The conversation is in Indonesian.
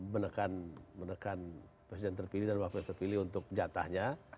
menekan presiden terpilih dan mbak pes terpilih untuk jatahnya